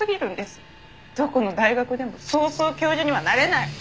どこの大学でもそうそう教授にはなれない！